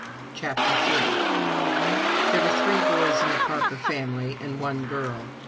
CHAPTER III There were three boys in the Parker family, and one girl.